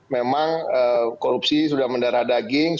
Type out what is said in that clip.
memang korupsi sudah mendarah daging